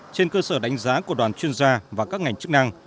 trên cơ sở đánh giá của đoàn chuyên gia và các ngành chức năng